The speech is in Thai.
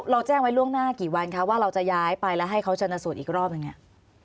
เราแจ้งไว้ล่วงหน้ากี่วันคะว่าเราจะย้ายไปแล้วให้เขาชนสูตรอีกรอบหนึ่งเนี่ย